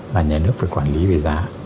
mà nhà nước phải quản lý về giá